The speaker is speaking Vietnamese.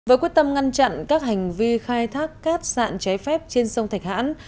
với quyết tâm ngăn chặn các hành vi khai thác cát sạn trái phép trên sông thạch hãn